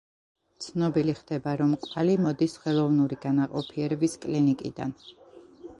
ცნობილი ხდება, რომ კვალი მოდის ხელოვნური განაყოფიერების კლინიკიდან.